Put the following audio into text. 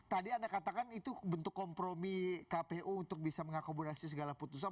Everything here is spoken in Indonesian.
tadi anda katakan itu bentuk kompromi kpu untuk bisa mengakomodasi segala putusan